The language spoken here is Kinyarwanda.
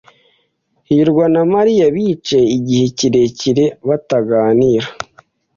hirwa na Mariya bicaye igihe kirekire bataganira.